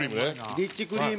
リッチクリーム。